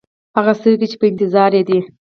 هغه سترګې چې په انتظار یې دی.